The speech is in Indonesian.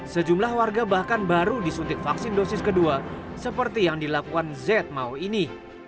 sejumlah warga bahkan baru disuntik vaksin dosis kedua seperti yang dilakukan z mau ini